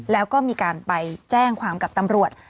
แล้วก็มีการไปแจ้งความกับตำรวจ